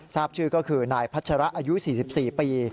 ทราบชื่อก็คือนายพัชระอายุ๔๔ปี